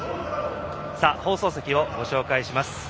放送席をご紹介します。